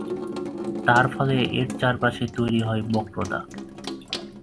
তার ফলে এর চারপাশে তৈরি হয় বক্রতা।